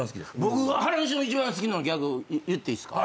僕原西の一番好きなギャグ言っていいっすか？